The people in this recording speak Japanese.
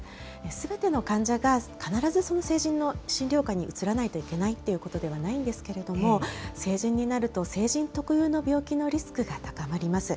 すべての患者が必ず成人の診療科に移らないといけないということではないんですけれども、成人になると成人特有の病気のリスクが高まります。